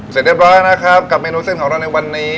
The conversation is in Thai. เสร็จเรียบร้อยนะครับกับเมนูเส้นของเราในวันนี้